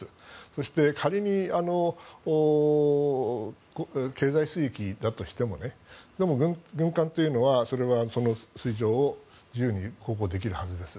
そして、仮に経済水域だとしてもでも、軍艦というのは水上を自由に航行できるはずです。